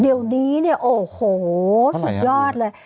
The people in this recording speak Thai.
เดี๋ยวนี้เนี่ยโอ้โหสุดยอดเลย